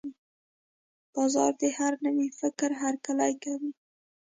بازار د هر نوي فکر هرکلی کوي.